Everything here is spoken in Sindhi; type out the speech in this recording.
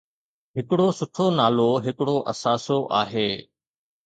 ھڪڙو سٺو نالو ھڪڙو اثاثو آھي.